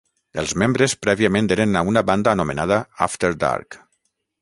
Els membres prèviament eren a una banda anomenada After Dark.